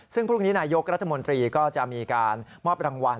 ซึ่งพรุ่งนี้นายกรัฐมนตรีก็จะมีการมอบรางวัล